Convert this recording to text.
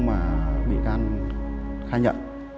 mà bị can khai nhận